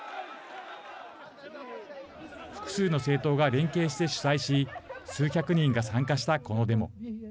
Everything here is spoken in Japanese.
複数の政党が連携して主催し数百人が参加した、このデモ。